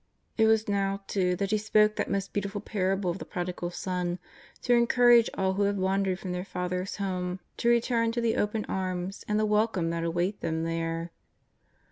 It was now, too, that He spoke that most beautiful parable of the Prodigal Son, to encourage all who have wandered from their Father's Home to return to the open arms and the welcome that await them there.